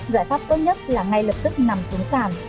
giải pháp tốt nhất là ngay lập tức nằm xuống sàn